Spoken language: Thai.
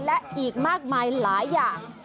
และอีกมากมายหลายอย่าง